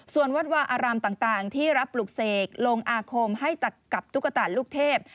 ส่วนวัดวาอารามต่างที่รับปลูกเสกลงอาคมให้กับตุ๊กตาลูกเทพ